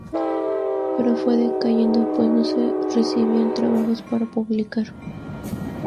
Pero fue decayendo pues no se recibían trabajos para publicar.